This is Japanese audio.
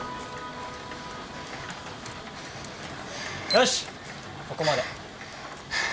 よしここまで。